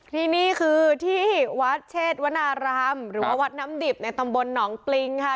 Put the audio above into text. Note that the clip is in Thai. ที่นี่คือที่วัดเชษวนารามหรือว่าวัดน้ำดิบในตำบลหนองปริงค่ะ